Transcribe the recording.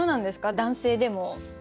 男性でも。